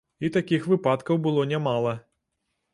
І такіх выпадкаў было нямала.